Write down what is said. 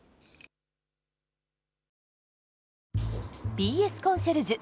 「ＢＳコンシェルジュ」